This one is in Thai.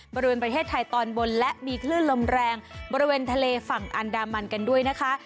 บริเวณประเทศไทยตอนบนและมีคลื่นลมแรงบริเวณทะเลฝั่งอันดามันกันด้วยนะคะ